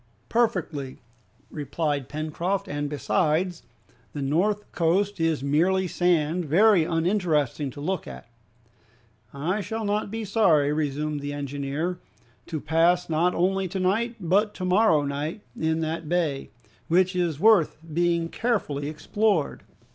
"Perfectly," replied Pencroft, "and besides, the north coast is merely sand, very uninteresting to look at." "I shall not be sorry," resumed the engineer, "to pass not only to night but to morrow in that bay, which is worth being carefully explored."